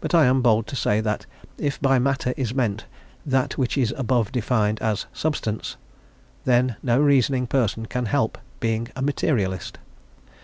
But I am bold to say that if by matter is meant that which is above defined as substance, then no reasoning person can help being a materialist.